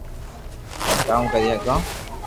ھين ڪاو ڪري ھگو